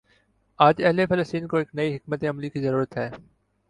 آج اہل فلسطین کو ایک نئی حکمت عملی کی ضرورت ہے۔